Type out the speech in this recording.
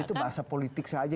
itu bahasa politik saja